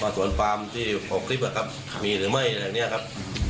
ส่วนคลิปชนบาลมีหรือไม่อย่างนี้ครับ